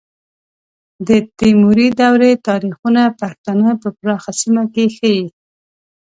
د تیموري دورې تاریخونه پښتانه په پراخه سیمه کې ښیي.